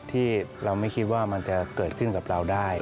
ที่เราไม่คิดว่ามันจะเกิดขึ้นกับเราได้